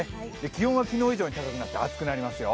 気温は昨日以上になって暑くなりますよ。